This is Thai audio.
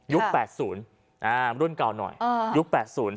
ยุคแปดศูนย์อ่ารุ่นเก่าหน่อยอ่ายุคแปดศูนย์